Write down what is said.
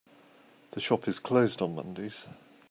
The shop is closed on Mondays.